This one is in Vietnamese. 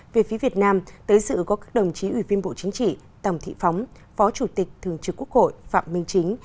về phía việt nam tới sự có các đồng chí ủy viên bộ chính trị tòng thị phóng phó chủ tịch thường trực quốc hội phạm minh chính